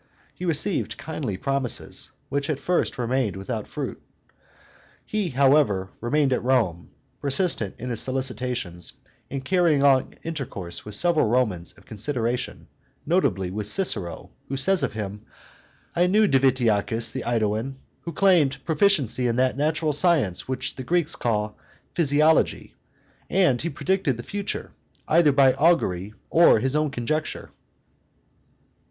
He received kindly promises, which at first remained without fruit. He, however, remained at Rome, persistent in his solicitations, and carrying on intercourse with several Romans of consideration, notably with Cicero, who says of him, "I knew Divitiacus, the AEduan, who claimed proficiency in that natural science which the Greeks call physiology, and he predicted the future, either by augury or his own conjecture."